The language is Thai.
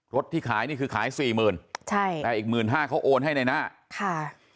ที่ขายนี่คือขายสี่หมื่นใช่แต่อีกหมื่นห้าเขาโอนให้ในหน้าค่ะ